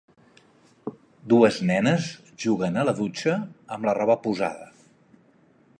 Dues nenes juguen a la dutxa amb la roba posada.